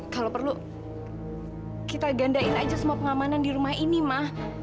kalau perlu kita gandain aja semua pengamanan di rumah ini mah